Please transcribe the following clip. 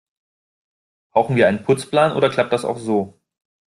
Brauchen wir einen Putzplan, oder klappt das auch so?